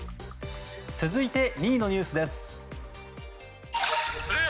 続いて２位のニュースです。